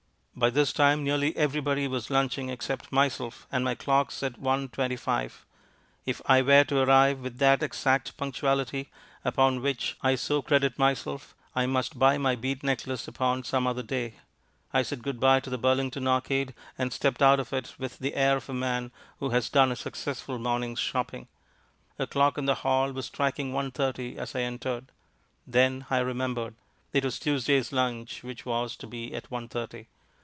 By this time nearly everybody was lunching except myself, and my clock said one twenty five. If I were to arrive with that exact punctuality upon which I so credit myself, I must buy my bead necklace upon some other day. I said good bye to the Burlington Arcade, and stepped out of it with the air of a man who has done a successful morning's shopping. A clock in the hall was striking one thirty as I entered. Then I remembered. It was Tuesday's lunch which was to be at one thirty.